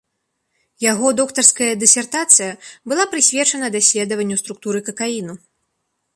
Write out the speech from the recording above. Яго доктарская дысертацыя была прысвечана даследаванню структуры какаіну.